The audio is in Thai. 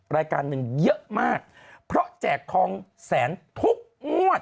รายการหนึ่งเยอะมากเพราะแจกทองแสนทุกงวด